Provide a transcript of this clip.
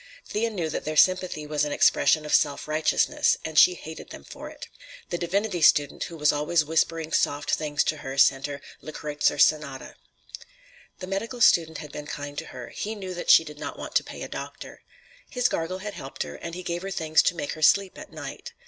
Thea knew that their sympathy was an expression of self righteousness, and she hated them for it. The divinity student, who was always whispering soft things to her, sent her "The Kreutzer Sonata." The medical student had been kind to her: he knew that she did not want to pay a doctor. His gargle had helped her, and he gave her things to make her sleep at night.